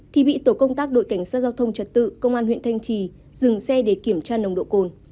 thì bị tổ công tác đội cảnh sát giao thông trật tự công an huyện thanh trì dừng xe để kiểm tra nồng độ cồn